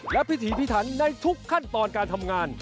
และพิถีพิถันในทุกขั้นตอนการทำงาน